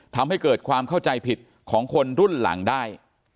ทำให้เกิดความเข้าใจผิดของคนรุ่นหลังได้